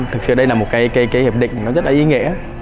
thực sự đây là một cái hiệp định nó rất là ý nghĩa